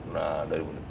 nah dari mana